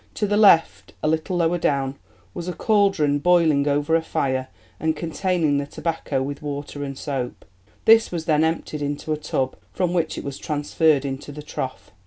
To the left, a little lower down, was a cauldron boiling over a fire and containing the tobacco with water and soap; this was then emptied into a tub, from which it was transferred into the trough.